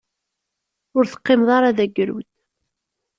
Ur teqqimeḍ ara d agrud.